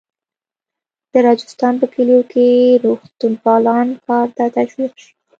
د راجستان په کلیو کې روغتیاپالان کار ته تشویق شي.